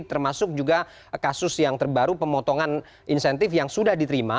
termasuk juga kasus yang terbaru pemotongan insentif yang sudah diterima